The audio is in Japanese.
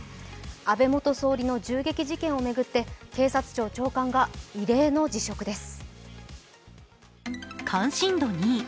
安倍元総理の銃撃事件を巡って警察庁長官が異例の辞職です。